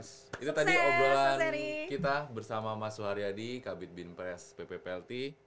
itu tadi obrolan kita bersama mas suharyadi kabit bin pres ppplt